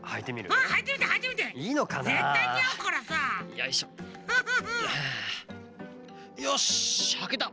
よしはけた！